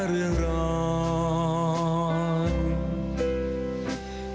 ทุกชาติ